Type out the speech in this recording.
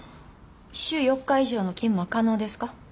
週４日以上の勤務は可能ですか？